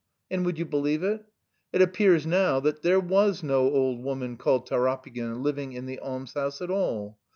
And would you believe it? It appears now that there was no old woman called Tarapygin living in the almshouse at all!